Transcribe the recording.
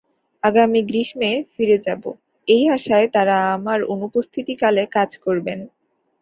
আগামী গ্রীষ্মে ফিরে যাব, এই আশায় তাঁরা আমার অনুপস্থিতিকালে কাজ করবেন।